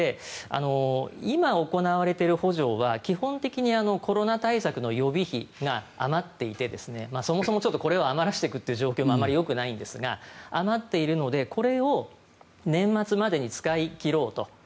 今行われている補助は基本的にコロナ対策の予備費が余っていて、そもそもこれは余らしていくという状況もあまりよくないんですが余っているのでこれを年末までに使い切ろうと。